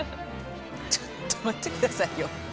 ちょっとまってくださいよ。